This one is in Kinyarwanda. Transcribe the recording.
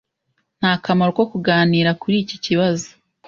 Nta kamaro ko kuganira kuri iki kibazo.